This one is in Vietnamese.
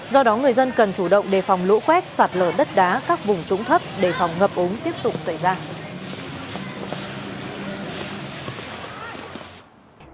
do đó người dân cần chủ động đề phòng lũ quét sạt lở đất đá các vùng trúng thấp đề phòng ngập ống tiếp tục xảy ra